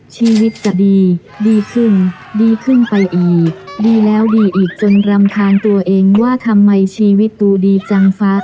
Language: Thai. ชีวิตจะดีดีขึ้นดีขึ้นไปอีกดีแล้วดีอีกจนรำคาญตัวเองว่าทำไมชีวิตตูดีจังฟ้า